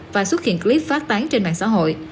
và xuất hiện clip phát tán trên mạng xã hội